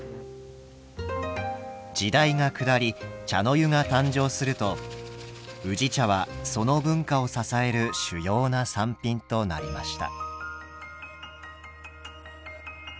時代が下り茶の湯が誕生すると宇治茶はその文化を支える主要な産品となりました。